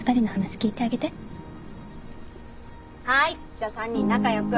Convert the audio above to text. じゃあ３人仲良く。